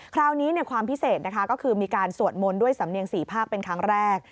คราวนี้ความพิเศษก็คือมีการสวดมนต์ด้วยสำเนียงสี่ภาพเป็นครั้งแรก